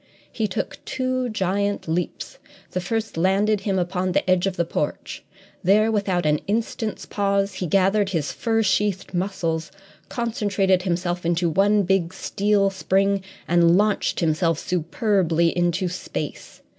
He took two giant leaps. The first landed him upon the edge of the porch. There, without an instant's pause, he gathered his fur sheathed muscles, concentrated himself into one big steel spring, and launched himself superbly into space.